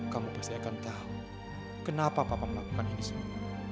kamu pasti akan tahu kenapa papa melakukan ini semua